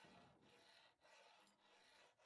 Fue sustituida por la periodista Elsa González.